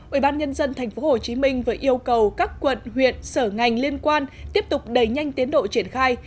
ủy ban nhân dân tp hcm vừa yêu cầu các quận huyện sở ngành liên quan tiếp tục đẩy nhanh tiến độ triển khai